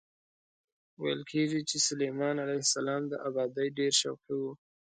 ویل کېږي چې سلیمان علیه السلام د ابادۍ ډېر شوقي و.